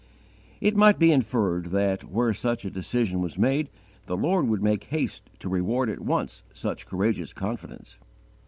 It might be inferred that, where such a decision was made, the Lord would make haste to reward at once such courageous confidence.